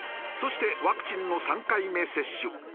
そしてワクチンの３回目接種。